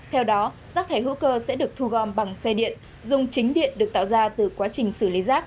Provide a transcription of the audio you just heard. theo đó rác thải hữu cơ sẽ được thu gom bằng xe điện dùng chính điện được tạo ra từ quá trình xử lý rác